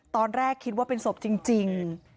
ตอนแรกคิดว่าเป็นศพจริง